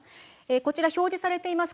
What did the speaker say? こちら表示されています